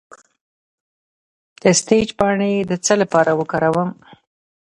د سیج پاڼې د څه لپاره وکاروم؟